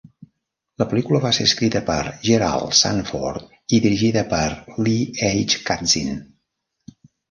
La pel·lícula va ser escrita per Gerald Sanford i dirigida per Lee H. Katzin.